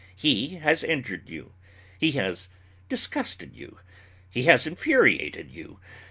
He has injured you. He has disgusted you. He has infuriated you.